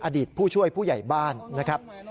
อดีตผู้ช่วยผู้ใหญ่บ้านนะครับ